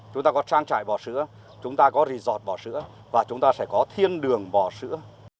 chúng ta có trang trại bò sữa chúng ta có resort bò sữa và chúng ta sẽ có thiên đường bò sữa